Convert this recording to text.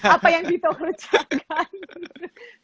apa yang vito kerjakan